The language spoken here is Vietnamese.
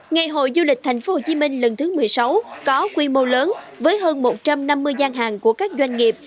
ngày hội du lịch tp hcm lần thứ một mươi sáu có quy mô lớn với hơn một trăm năm mươi gian hàng của các doanh nghiệp